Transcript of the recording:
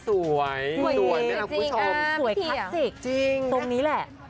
สวยคลาสสิกตรงนี้แหละ